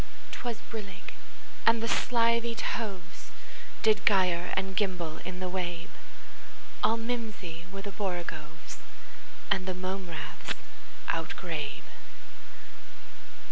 'T was brillig, and the slithy tovesDid gyre and gimble in the wabe; All mimsy were the borogoves, And the mome raths outgrabe.